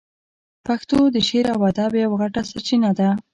پښتو د شعر او ادب یوه غټه سرچینه ده.